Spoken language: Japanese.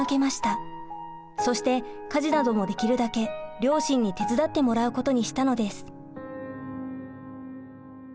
そして家事などもできるだけ両親に手伝ってもらうことにしたのです。